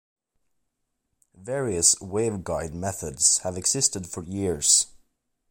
Various waveguide methods have existed for years.